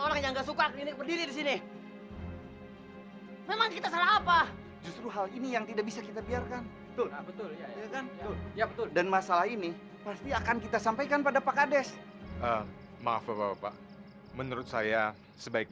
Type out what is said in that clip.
orang sudah berbuat baik